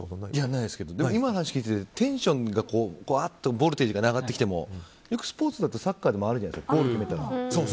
ないですけど今の話を聞いててテンションがワーッとボルテージが上がってきてもよくスポーツとかだとサッカーでもあるじゃないですか